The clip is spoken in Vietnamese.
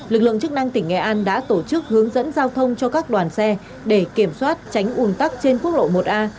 lực lượng chức năng tỉnh nghệ an đã tổ chức hướng dẫn giao thông cho các đoàn xe để kiểm soát tránh ủn tắc trên quốc lộ một a